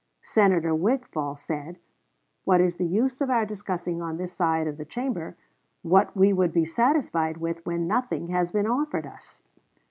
Senator Wigfall said, "What is the use of our discussing on this side of the Chamber what we would be satisfied with when nothing has been offered us!"